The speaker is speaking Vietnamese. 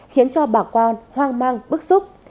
khiến cho bà quan hoang mang bức xúc